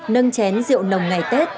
nâng chén rượu nồng ngày tết